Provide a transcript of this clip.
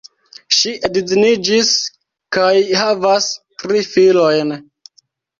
Ŝi edziniĝis kaj havas tri filojn.